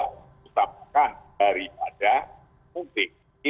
menjawabkan daripada mukti